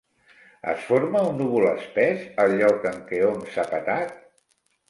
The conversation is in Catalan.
Es forma un núvol espès, al lloc en què hom s'ha petat?